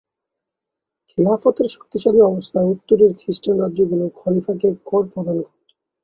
খিলাফতের শক্তিশালী অবস্থায় উত্তরের খ্রিষ্টান রাজ্যগুলো খলিফাকে কর প্রদান করত।